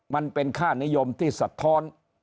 มันเป็นค่านิยมที่สะท้อน